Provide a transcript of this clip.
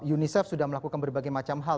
unicef sudah melakukan berbagai macam hal